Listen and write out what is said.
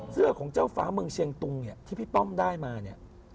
เสื้อของเจ้าฟ้าเมืองเชียงตุงเนี่ยที่พี่ป้อมได้มาเนี่ย